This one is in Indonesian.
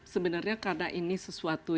sebenarnya karena ini sesuatu